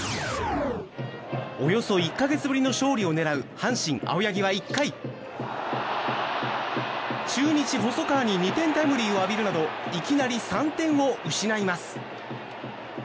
およそ１か月ぶりの勝利を狙う阪神、青柳は１回中日、細川に２点タイムリーを浴びるなどいきなり３点を失います。